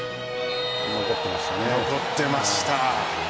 残ってました。